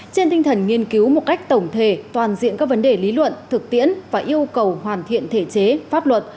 trên tinh thần nghiên cứu một cách tổng thể toàn diện các vấn đề lý luận thực tiễn và yêu cầu hoàn thiện thể chế pháp luật